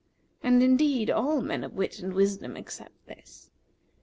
And indeed all men of wit and wisdom accept this.